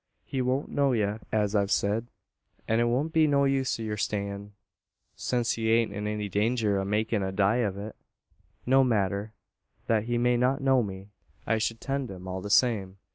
He won't know ye, as I've sayed; an it would be no use yur stayin', since he ain't in any danger o' makin' a die of it." "No matter, that he may not know me. I should tend him all the same.